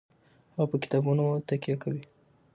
هغه په کتابونو تکیه کوي.